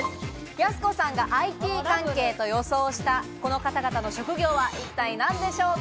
やす子さんがＩＴ関係と予想したこの方々の職業は一体何でしょうか？